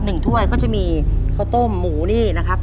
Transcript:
ถ้วยก็จะมีข้าวต้มหมูนี่นะครับ